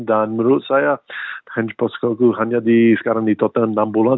dan menurut saya ens posteko glue hanya sekarang di tottenham enam bulan